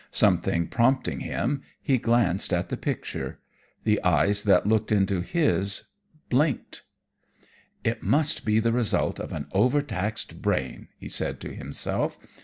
Something prompting him, he glanced at the picture. The eyes that looked into his blinked. "'It must be the result of an overtaxed brain,' he said to himself.